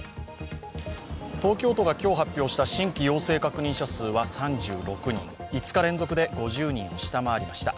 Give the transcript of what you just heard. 東京都が今日発表した新規感染者数は３６人５日連続で５０人を下回りました。